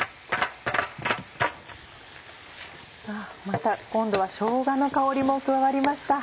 また今度はしょうがの香りも加わりました。